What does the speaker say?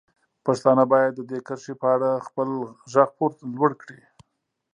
پښتانه باید د دې کرښې په اړه خپل غږ لوړ کړي.